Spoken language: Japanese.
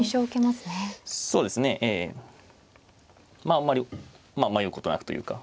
あんまり迷うことなくというか。